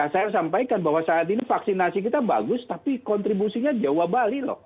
saya sampaikan bahwa saat ini vaksinasi kita bagus tapi kontribusinya jawa bali loh